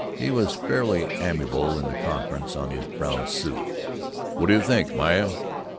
He was fairly amiable in the conference on the brown suit. "What do you think, Myra?"